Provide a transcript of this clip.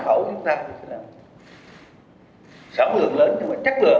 chức lạc của một sản xuất